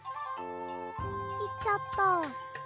いっちゃった。